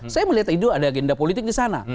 saya melihat itu ada agenda politik di sana